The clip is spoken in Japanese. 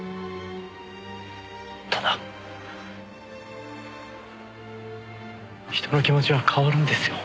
ただ人の気持ちは変わるんですよ。